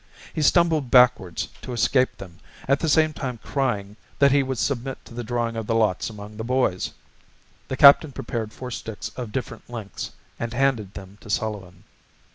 He stumbled backwards to escape them, at the same time crying that he would submit to the drawing of the lots among the boys. The captain prepared four sticks of different lengths and handed them to Sullivan.